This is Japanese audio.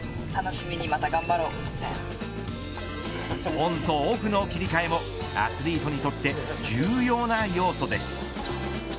オンとオフの切り替えもアスリートにとって重要な要素です。